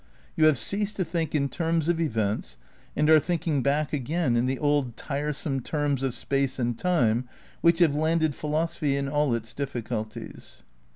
You have ceased to think in terms of events and are thinking back again in the old tiresome terms of space and time which have landed philosophy in all its diffi culties.